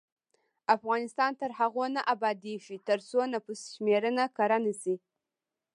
افغانستان تر هغو نه ابادیږي، ترڅو نفوس شمېرنه کره نشي.